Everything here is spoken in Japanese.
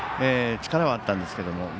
力はあったんですけども。